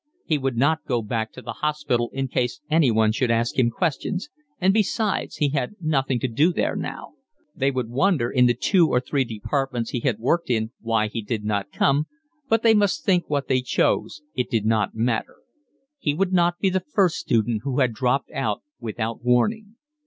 He would not go back to the hospital in case anyone should ask him questions, and besides, he had nothing to do there now; they would wonder in the two or three departments he had worked in why he did not come, but they must think what they chose, it did not matter: he would not be the first student who had dropped out without warning.